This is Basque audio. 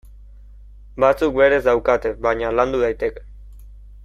Batzuk berez daukate, baina landu daiteke.